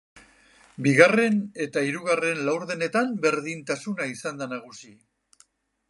Bigarren eta hirugarren laurdenetan berdintasuna izan da nagusi.